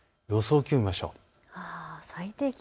気温を見ましょう。